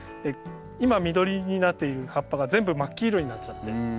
今緑になっている葉っぱが全部真っ黄色になっちゃって。